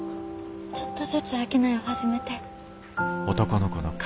ちょっとずつ商いを始めて。